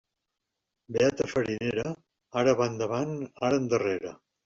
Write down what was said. Beata farinera, ara va endavant, ara endarrere.